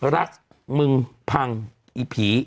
รักมึงพังอีผี